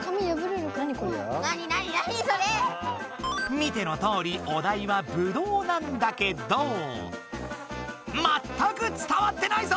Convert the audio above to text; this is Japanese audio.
見てのとおりお題は「ぶどう」なんだけどまったくつたわってないぞ！